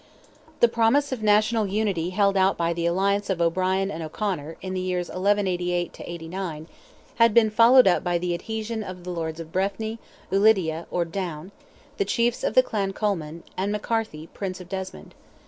The promise of national unity held out by the alliance of O'Brien and O'Conor, in the years 1188 '89, had been followed up by the adhesion of the lords of Breffni, Ulidia, or Down, the chiefs of the Clan Colman, and McCarthy, Prince of Desmond.